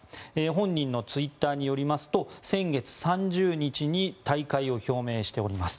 本人のツイッターによりますと先月３０日に退会を表明しております。